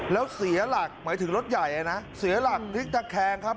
แล้วเสียหลักหมายถึงรถใหญ่นะเสียหลักพลิกตะแคงครับ